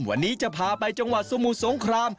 วันนี้จะพาไปจังหวัดสมุทรสงคราม